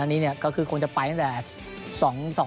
ทั้งนี้เนี่ยก็คือคงจะไปตั้งแต่